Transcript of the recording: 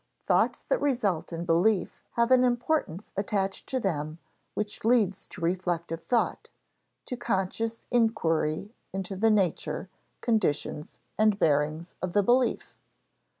Thoughts that result in belief have an importance attached to them which leads to reflective thought, to conscious inquiry into the nature, conditions, and bearings of the belief.